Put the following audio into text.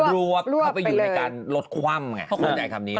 รวบเข้าไปอยู่ในการลดคว่ำไงเขาคงจะทำนี้นะ